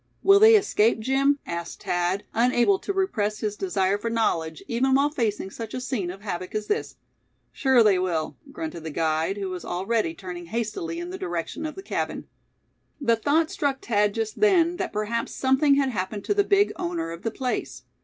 "Will they escape, Jim?" asked Thad, unable to repress his desire for knowledge, even while facing such a scene of havoc as this. "Sure they will," grunted the guide, who was already turning hastily in the direction of the cabin. The thought struck Thad just then that perhaps something had happened to the big owner of the place.